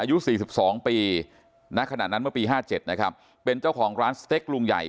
อายุ๔๒ปีณขณะนั้นเมื่อปี๕๗นะครับเป็นเจ้าของร้านสเต็กลุงใหญ่